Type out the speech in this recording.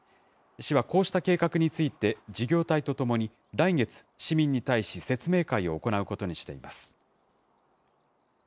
市はこうした計画について、事業体と共に、来月、市民に対し説明会を行うことにしています。